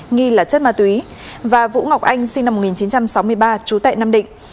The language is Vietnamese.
nghi là chất ma túy và vũ ngọc anh sinh năm một nghìn chín trăm sáu mươi ba trú tại nam định